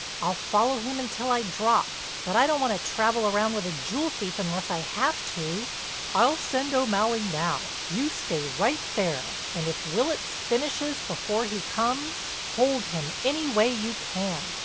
I'll follow him until I drop, but I don't want to travel round with a jewel thief unless I have to." "I'll send O'Malley now. You stay right there and if Willitts finishes before he comes, hold him any way you can.